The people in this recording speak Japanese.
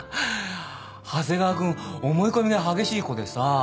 長谷川君思い込みが激しい子でさ